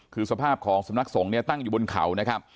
คือสภาพของสำนักสงฆ์เนี่ยตั้งอยู่บนเขานะครับ